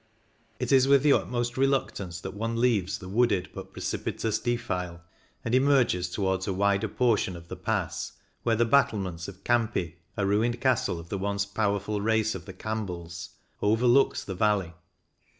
It is with the utmost reluctance that one leaves the wooded but precipitous defile and emerges towards a wider portion of the Pass, where the battlements of Campi, a ruined castle of the once powerful race of the Campbells, overlooks the valley.